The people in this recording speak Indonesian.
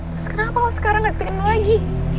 terus kenapa lo sekarang deketin gue lagi